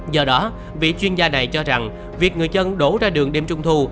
do đó vị chuyên gia này cho rằng việc người dân đổ ra đường đêm trung thu